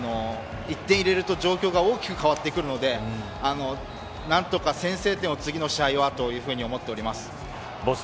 １点入れると状況が大きく変わってくるので何とか先制点を次の試合はボス